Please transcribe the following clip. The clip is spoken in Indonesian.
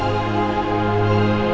sampai ibu tidak atau